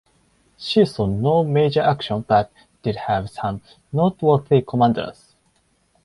She saw no major action but did have some noteworthy commanders.